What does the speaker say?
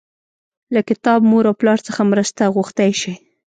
له کتاب، مور او پلار څخه مرسته غوښتی شئ.